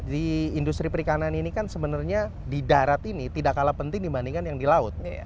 di industri perikanan ini kan sebenarnya di darat ini tidak kalah penting dibandingkan yang di laut